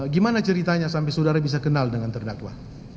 gimana ceritanya sampai saudara bisa kenal dengan terdakwa